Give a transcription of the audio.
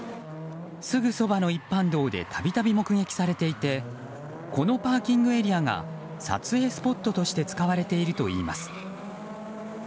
すぐそばの一般道で度々目撃されていてこのパーキングエリアが撮影スポットとして使われているといいます。